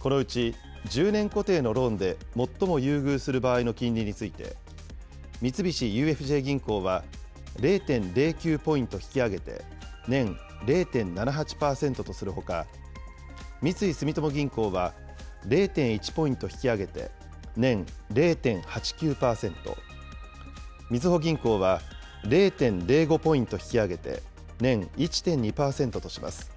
このうち、１０年固定のローンで最も優遇する場合の金利について、三菱ＵＦＪ銀行は０．０９ポイント引き上げて、年０．７８％とするほか、三井住友銀行は０．１ポイント引き上げて、年０．８９％、みずほ銀行は０．０５ポイント引き上げて、年１．２％とします。